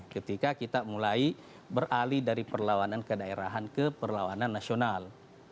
ketika kita mulai beralih dari perlawanan kedaerahan ke perlawanan nasional